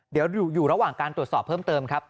เดี๋ยวอยู่ระหว่างการตรวจสอบเพิ่มเติมครับ